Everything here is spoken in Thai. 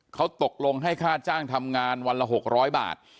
เขาตกลงให้ค่าจ้างทำงานวันละ๖๐๐บาท